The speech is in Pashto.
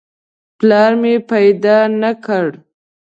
پلار مې پیدا نه کړ.